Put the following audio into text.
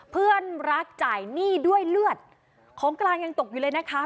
เพื่อนรักจ่ายหนี้ด้วยเลือดของกลางยังตกอยู่เลยนะคะ